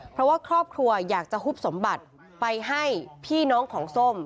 เพราะว่าครอบครัวอยากจะฮุบสมบัติไปให้พี่น้องของส้ม